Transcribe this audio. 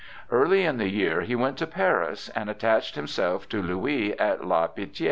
Early in the year he went to Paris and attached himself to Louis at La Pitie.